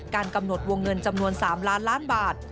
กำหนดวงเงินจำนวน๓ล้านล้านบาท